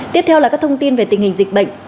tiếp theo là các thông tin về tình hình dịch bệnh